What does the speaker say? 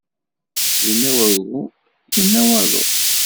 Yenna wagu, yenna waḍu.